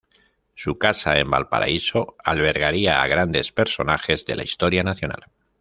Su casa en Valparaíso albergaría a grandes personajes de la historia nacional.